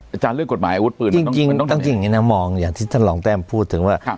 อาจารย์เรื่องกฎหมายอาวุธปืนจริงมันต้องจริงอย่างนี้นะมองอย่างที่ท่านรองแต้มพูดถึงว่า